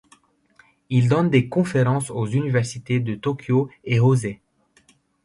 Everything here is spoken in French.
Il donne des conférences aux universités de Tokyo et Hōsei.